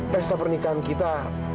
pesta pernikahan kita